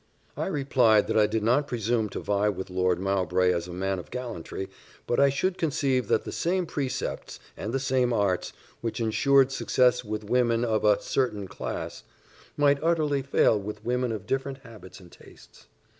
I replied that I did not presume to vie with Lord Mowbray as a man of gallantry; but I should conceive that the same precepts, and the same arts, which ensured success with women of a certain class, might utterly fail with women of different habits and tastes.